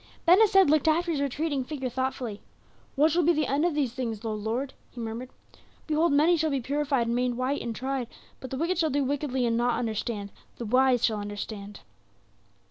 Ben Hesed looked after his retreating figure thoughtfully. "What shall be the end of these things, O Lord?" he murmured. "Behold many shall be purified, and made white, and tried; but the wicked shall do wickedly and shall not understand; the wise shall understand."